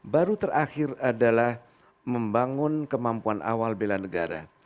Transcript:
baru terakhir adalah membangun kemampuan awal bela negara